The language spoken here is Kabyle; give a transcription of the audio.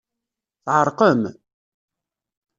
Tɛerqem?